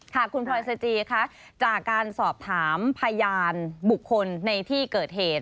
คาคุณพ่อเอซิเจียค่ะจากการสอบถามพลายานบุคคลในที่เกิดเหตุ